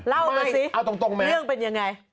เล่าไปสิเรื่องเป็นอย่างไรเอาตรงมั้ย